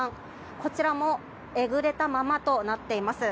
こちらもえぐれたままとなっています。